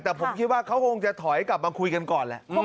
แต่ผมคิดว่าเขาคงจะถอยกลับมาคุยกันก่อนแหละ